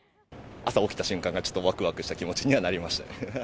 朝起きた瞬間から、ちょっとわくわくした気持ちにはなりましたね。